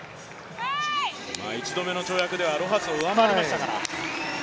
１度目の跳躍ではロハスを上回りましたから。